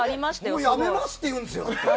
もう辞めますって言うんですよ。